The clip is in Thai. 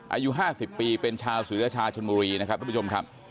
อายุ๕๐ปีเป็นชาวศรีราชาชนบุรีนะครับทุกผู้ชมครับ